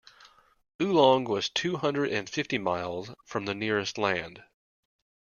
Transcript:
Oolong was two hundred and fifty miles from the nearest land.